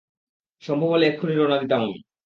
সম্ভব হলে এক্ষুনি রওনা দিতাম আমি!